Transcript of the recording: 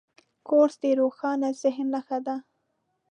کورس د روښانه ذهن نښه ده.